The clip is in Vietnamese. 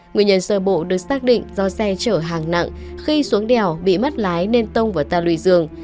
nguyên nhân sơ bộ được xác định do xe chở hàng nặng khi xuống đèo bị mất lái nên tông vào ta lùi giường